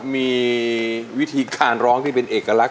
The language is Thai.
สิบนิ้วผนมและโกมลงคราบ